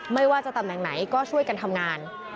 ไม่ว่าจะตำแหน่งไหนก็ช่วยกันทำงาน